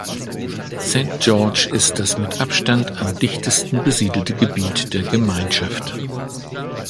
Saint George ist das mit Abstand am dichtesten besiedelte Gebiet der Gemeinschaft.